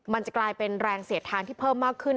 มันจะกลายเป็นแรงเสียดทานที่เพิ่มมากขึ้น